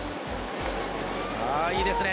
ああ、いいですね。